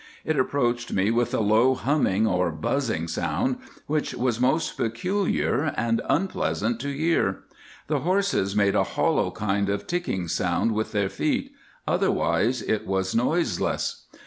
It approached with a low humming or buzzing sound, which was most peculiar and unpleasant to hear. The horses made a hollow kind of ticking sound with their feet, otherwise it was noiseless.